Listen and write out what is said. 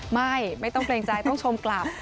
ไม่ต้องเกรงใจต้องชมกลับ